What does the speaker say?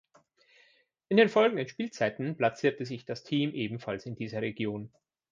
In den folgenden Spielzeiten platzierte sich das Team ebenfalls in dieser Region.